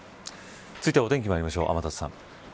続いてはお天気にまいりましょう天達さん。